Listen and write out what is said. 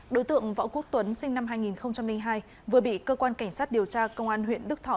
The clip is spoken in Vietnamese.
đối tượng võ quốc tuấn sinh năm hai nghìn hai vừa bị cơ quan cảnh sát điều tra công an huyện đức thọ